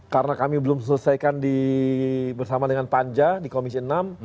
karena kami belum selesaikan bersama dengan panja di komisi enam